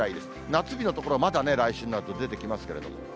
夏日の所、まだ来週になると出てきますけれども。